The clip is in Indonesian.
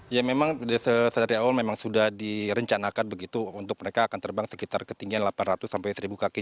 ya memang sedari awal memang sudah direncanakan begitu untuk mereka akan terbang sekitar ketinggian delapan ratus sampai seribu kaki